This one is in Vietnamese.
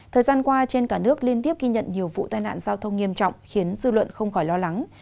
thời gian qua trên cả nước liên tiếp ghi nhận nhiều vụ tai nạn giao thông nghiêm trọng khiến dư luận không khỏi lo lắng